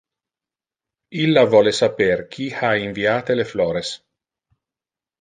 Illa vole saper qui ha inviate le flores.